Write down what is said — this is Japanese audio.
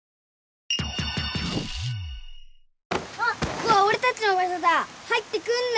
ここは俺たちの場所だ入ってくんな。